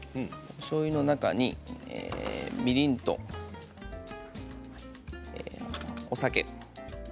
おしょうゆの中にみりんとお酒。